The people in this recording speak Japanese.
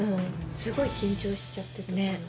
すごい緊張しちゃってたと思う。